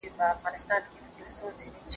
ناسم عادتونه ژر نه بدلېږي.